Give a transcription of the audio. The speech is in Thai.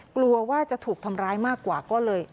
กลัวว่าจะถูกทำร้ายมากกว่าก็เลย